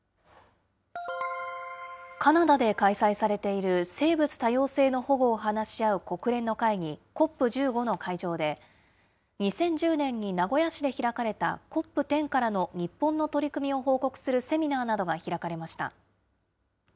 カナダで開催されている生物多様性の保護を話し合う国連の会議、ＣＯＰ１５の会場で、２０１０年に名古屋市で開かれたＣＯＰ１０からの日本の取り組みを報告するセミナーなどが開かれました。